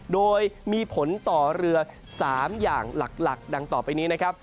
โดยมีผลต่อเรือ๓อย่างหลักดังต่อไปนี้นะครับ